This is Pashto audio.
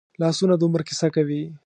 لاسونه د عمر کیسه کوي